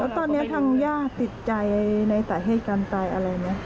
ตอนนี้ทางย่าติดใจในสาเหตุการณ์ตายอะไรไหม